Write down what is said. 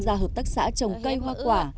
và hợp tác xã trồng cây hoa quả